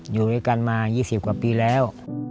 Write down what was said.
อยู่ด้วยกันมา๒๐กว่าปีแล้ว